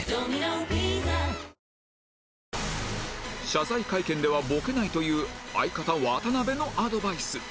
謝罪会見ではボケないという相方渡辺のアドバイス